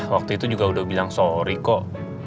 waktu itu juga udah bilang sorry kok